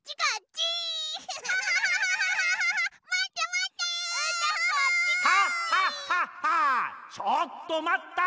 ちょっとまった！